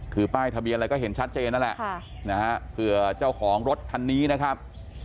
คือป้ายทะเบียนอะไรก็เห็นชัดเจนนั่นแหละนะฮะเผื่อเจ้าของรถคันนี้นะครับ